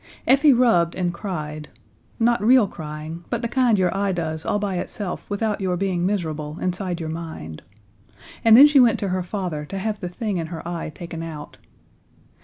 Effie rubbed and cried not real crying, but the kind your eye does all by itself without your being miserable inside your mind and then she went to her father to have the thing in her eye taken out.